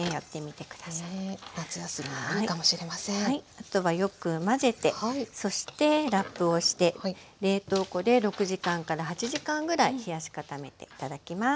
あとはよく混ぜてそしてラップをして冷凍庫で６時間から８時間ぐらい冷やし固めて頂きます。